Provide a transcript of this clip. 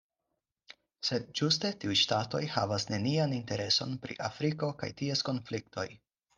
Sed ĝuste tiuj ŝtatoj havas nenian intereson pri Afriko kaj ties konfliktoj.